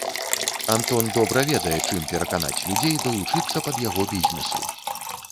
Антон добра ведае, чым пераканаць людзей далучыцца пад яго бізнесу.